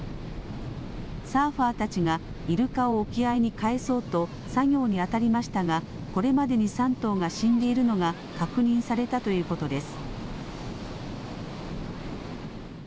サーファーたちがイルカを沖合にかえそうと作業に当たりましたが、これまでに３頭が死んでいるのが確認されたということです。